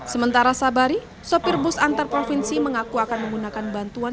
sementara sabari sopir bus antar provinsi mengaku akan menggunakan bantuan